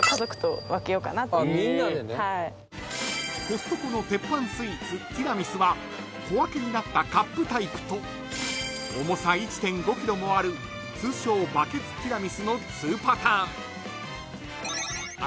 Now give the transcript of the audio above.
［コストコの鉄板スイーツティラミスは小分けになったカップタイプと重さ１．５ｋｇもある通称バケツティラミスの２パターン］